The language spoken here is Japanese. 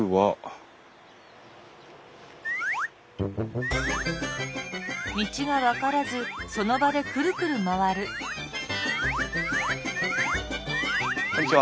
あっこんにちは。